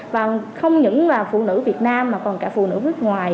và không những là phụ nữ việt nam mà còn cả phụ nữ nước ngoài